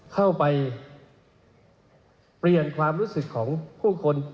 เข้าไปเปลี่ยนความรู้สึกของผู้คน